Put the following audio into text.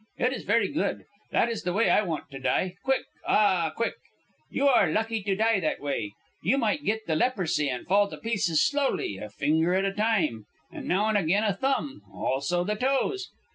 It is very good. That is the way I want to die quick, ah, quick. You are lucky to die that way. You might get the leprosy and fall to pieces slowly, a finger at a time, and now and again a thumb, also the toes.